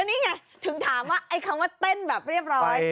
นี่ไงถึงถามว่าเต้นแบบเรียบร้อย